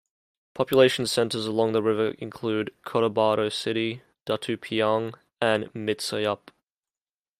Population centers along the river include Cotabato City, Datu Piang, and Midsayap.